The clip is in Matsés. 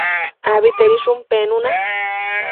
Abitedishun penuna